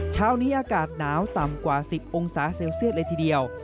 เช้านี้อากาศหนาวต่ำกว่า๑๐องศาเซลเซียตเลยทีเดียว